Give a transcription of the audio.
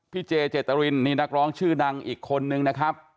เจเจตรินนี่นักร้องชื่อดังอีกคนนึงนะครับ